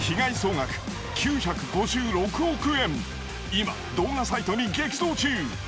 今動画サイトに激増中！